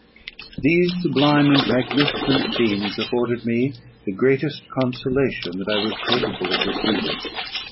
These sublime and magnificent scenes afforded me the greatest consolation that I was capable of receiving.